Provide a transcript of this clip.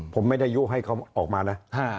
ผมไม่ได้ยุให้เขาออกมานะ